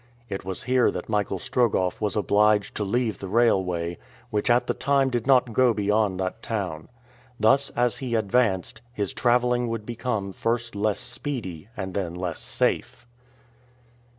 It was here that Michael Strogoff was obliged to leave the railway, which at the time did not go beyond that town. Thus, as he advanced, his traveling would become first less speedy and then less safe.